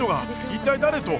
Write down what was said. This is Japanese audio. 一体誰と？